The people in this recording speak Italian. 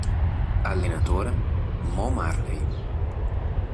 Allenatore: Mo Marley